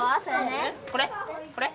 これ？